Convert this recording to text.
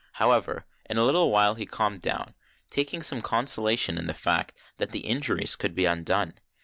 However, in a little while he calmed down, taking some consolation in the fact that the injuries could be undone.